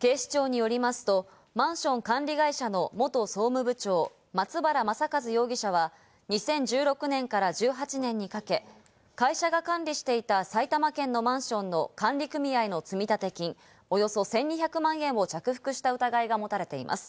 警視庁によりますと、マンション管理会社の元総務部長・松原昌和容疑者は２０１６年から１８年にかけ、会社が管理していた埼玉県のマンションの管理組合の積立金およそ１２００万円を着服した疑いが持たれています。